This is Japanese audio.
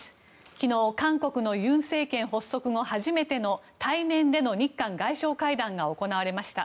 昨日韓国の尹政権発足後初めての対面での日韓外相会談が行われました。